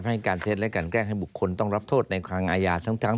ให้การเท็จและกันแกล้งให้บุคคลต้องรับโทษในทางอาญาทั้ง